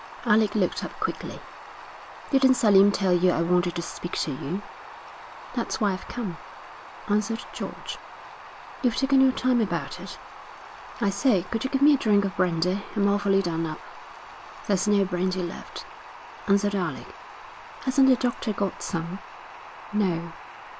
Alec looked up quickly. 'Didn't Selim tell you I wanted to speak to you?' 'That's why I've come,' answered George. 'You've taken your time about it.' 'I say, could you give me a drink of brandy? I'm awfully done up.' 'There's no brandy left,' answered Alec. 'Hasn't the doctor got some?' 'No.'